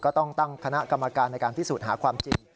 ต้องตั้งคณะกรรมการในการพิสูจน์หาความจริง